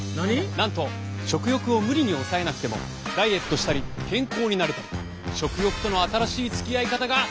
なんと食欲を無理に抑えなくてもダイエットしたり健康になれたり食欲との新しいつきあい方が分かるのだ。